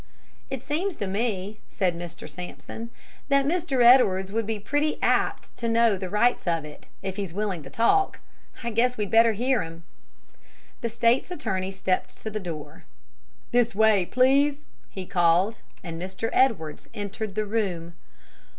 "It seems to me," said Mr. Sampson, "that Mr. Edwards would be pretty apt to know the rights of it, if he's willing to talk. I guess we'd better hear him." The state's attorney stepped to the door. "This way, please!" he called, and Mr. Edwards entered the room.